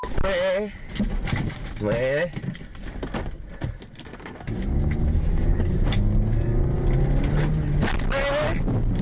กลับไป